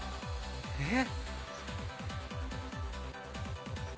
えっ？